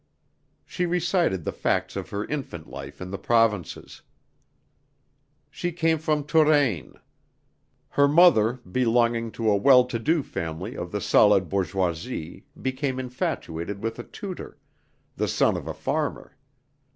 She recited the facts of her infant life in the provinces. She came from Touraine. Her mother belonging to a well to do family of the solid bourgeoisie became infatuated with a tutor, the son of a farmer.